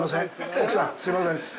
奥さん、すいませんです。